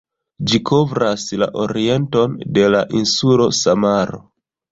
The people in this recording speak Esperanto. Ĝi kovras la orienton de la insulo Samaro.